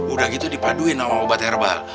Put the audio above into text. udah gitu dipaduin sama obat herbal